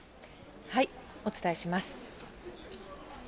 お伝えします。